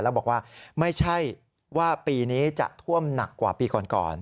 แล้วบอกว่าไม่ใช่ว่าปีนี้จะท่วมหนักกว่าปีก่อน